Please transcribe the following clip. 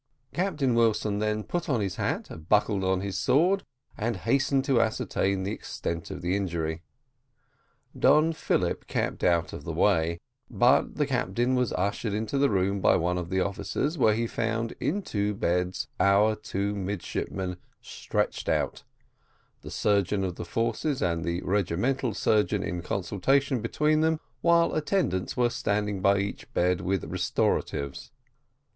Captain Wilson then put on his hat, buckled on his sword, and hastened to ascertain the extent of the injury. Don Philip kept out of the way, but the captain was ushered into the room by one of the officers, where he found, in two beds, our two midshipmen stretched out, the surgeon of the forces and the regimental surgeon in consultation between them, while attendants were standing by each bed with restoratives.